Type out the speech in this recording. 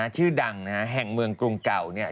ชื่อดังนะฮะแห่งเมืองกรุงเก่าเนี่ย